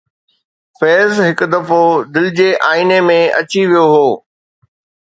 فيض هڪ دفعو دل جي آئيني ۾ اچي ويو هو